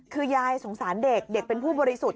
คือยายสงสารเด็กเด็กเป็นผู้บริสุทธิ์